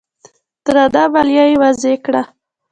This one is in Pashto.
درنه مالیه یې وضعه کړه